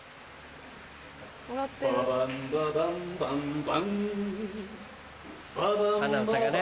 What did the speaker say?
ババンババンバンバン鼻歌がね。